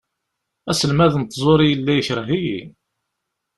Aselmad n tẓuri yella ikreh-iyi.